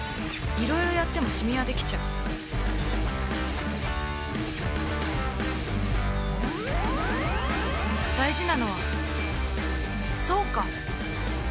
いろいろやってもシミはできちゃう大事なのはそうか！